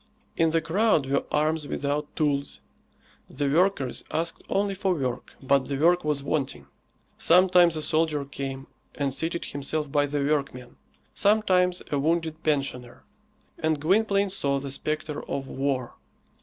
In the crowd were arms without tools; the workers asked only for work, but the work was wanting. Sometimes a soldier came and seated himself by the workmen, sometimes a wounded pensioner; and Gwynplaine saw the spectre of war.